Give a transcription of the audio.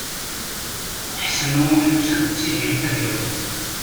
Ḥsen U Muḥ yusa-d d Tiziri Tagawawt.